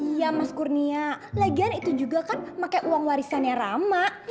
iya mas kurnia lagian itu juga kan pakai uang warisannya rama